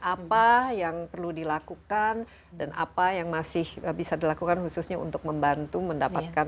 apa yang perlu dilakukan dan apa yang masih bisa dilakukan khususnya untuk membantu mendapatkan